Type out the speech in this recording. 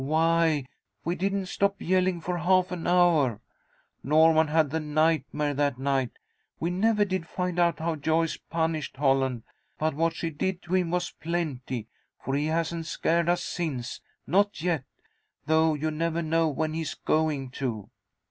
Why, we didn't stop yelling for half an hour. Norman had the nightmare that night. We never did find out how Joyce punished Holland, but what she did to him was plenty, for he hasn't scared us since, not yet, though you never know when he's going to.